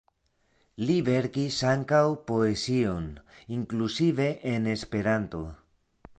Li verkis ankaŭ poezion, inkluzive en Esperanto.